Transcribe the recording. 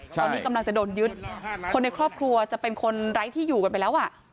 ตอนนี้กำลังจะโดนยึดคนในครอบครัวจะเป็นคนไร้ที่อยู่กันไปแล้วอ่ะ